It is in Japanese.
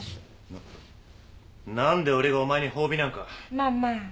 まあまあ。